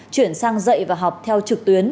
chuyển sang dạy và học theo trực tuyến